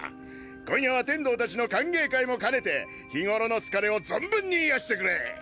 今夜は天道たちの歓迎会も兼ねて日頃の疲れを存分に癒やしてくれ。